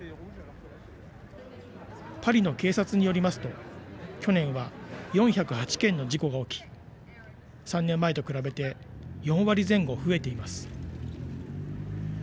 パリの警察によりますと、去年は４０８件の事故が起き、３年前と比べて４割前後増えています。